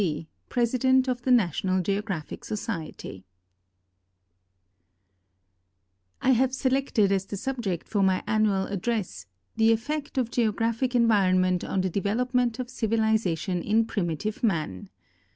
D., President of the National Geographic Socidij I have selected as the subject for my annual aildress *' The Effect of Geographic Environment on the Development of Civili zation in Primitive Man."